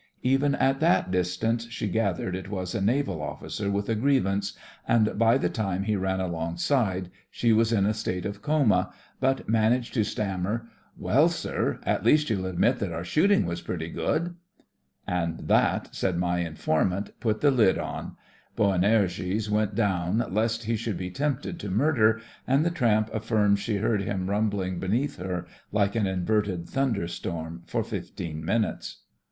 Even at that distance she gathered it was a Naval officer with a grievance, and by the time he ran alongside she was in a state of coma, but managed to stam mer: "Well, sir, at least you'll admit that our shooting was pretty good." "And that," said my informant, 46 THE FRINGES OF THE FLEET "put the lid on!" Boanerges went down lest he should be tempted to murder, and the tramp afSrms she heard him rumbling beneath her, like an inverted thunderstorm, for fifteen minutes.